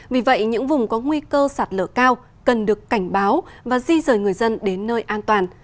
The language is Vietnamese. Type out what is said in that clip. vì vậy những vùng có nguy cơ sạt lở cao cần được cảnh báo và di rời người dân đến nơi an toàn